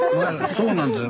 そうなんですよ。